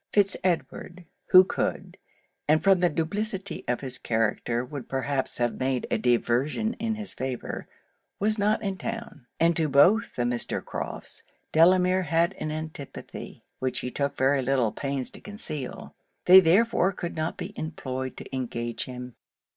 Fitz Edward, who could, and from the duplicity of his character would perhaps have made a diversion in his favour, was not in town; and to both the Mr. Crofts Delamere had an antipathy, which he took very little pains to conceal; they therefore could not be employed to engage him.